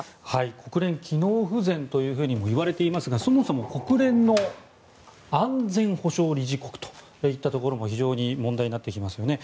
国連、機能不全ともいわれていますがそもそも国連の安全保障理事国といったところも非常に問題になってきますよね。